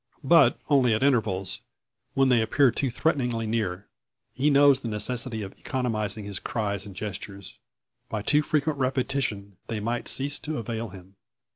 But only at intervals, when they appear too threateningly near. He knows the necessity of economising his cries and gestures. By too frequent repetition they might cease to avail him.